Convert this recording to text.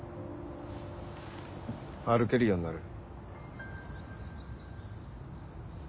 歩けるようになる。